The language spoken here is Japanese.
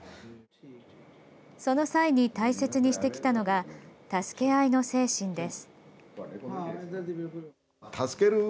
その際に大切にしてきたのが助け合いの精神です。